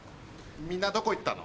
みんなどこ行ったの？